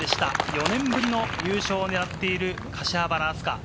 ４年ぶりの優勝を狙っている柏原明日架。